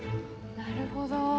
なるほど。